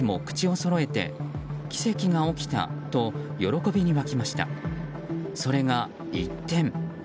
それが一転。